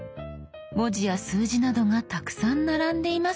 文字や数字などがたくさん並んでいますが。